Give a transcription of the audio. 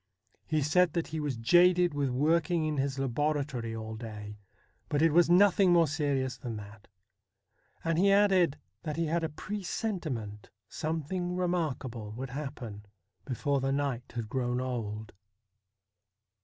He said that he was jaded with working in his labora D 34 STORIES WEIRD AND WONDERFUL tory all day, but it was nothing more serious than that ; and he added that he had a presentiment something remarkable would happen before the night had grown old.